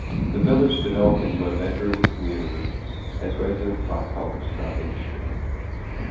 The village developed into a bedroom community as residents sought homes, not industry.